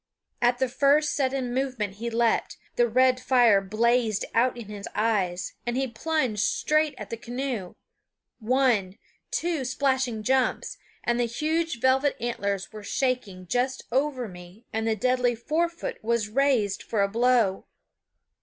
At the first sudden motion he leaped; the red fire blazed out in his eyes, and he plunged straight at the canoe one, two splashing jumps, and the huge velvet antlers were shaking just over me and the deadly fore foot was raised for a blow.